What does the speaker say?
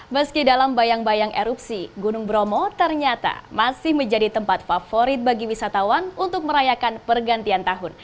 meski dalam bayang bayang erupsi gunung bromo ternyata masih menjadi tempat favorit bagi wisatawan untuk merayakan pergantian tahun